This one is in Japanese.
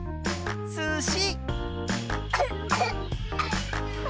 すし！